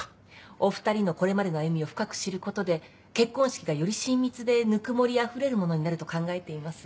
お２人のこれまでの歩みを深く知ることで結婚式がより親密でぬくもり溢れるものになると考えています。